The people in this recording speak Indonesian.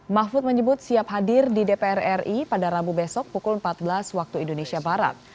mahfud menyebut siap hadir di dpr ri pada rabu besok pukul empat belas waktu indonesia barat